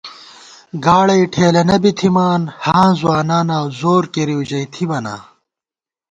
گاڑَئی ٹھیلَنہ بی تھِمان ہاں ځواناناؤ زورکېرِؤ ژَئی تھِبہ نا